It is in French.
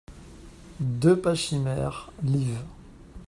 deux Pachymère, liv.